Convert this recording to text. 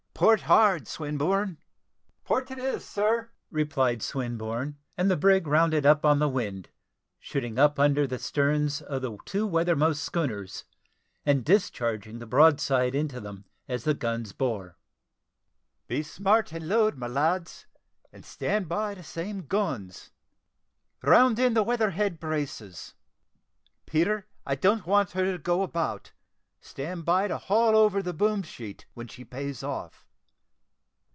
Port hard, Swinburne." "Port it is, sir," replied Swinburne; and the brig rounded up on the wind, shooting up under the sterns of the two weathermost schooners, and discharging the broadside into them as the guns bore. "Be smart and load, my lads, and stand by the same guns. Round in the weather head braces. Peter, I don't want her to go about. Stand by to haul over the boom sheet, when she pays off.